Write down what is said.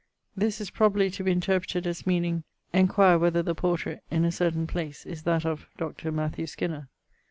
This is probably to be interpreted as meaning 'Enquire whether the portrait,' in a certain place, 'is that of Dr. Matthew Skinner.'